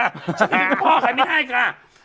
ฉันเป็นพ่อใครไม่ได้กะ